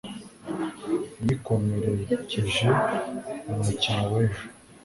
yikomerekeje mu mukino w'ejo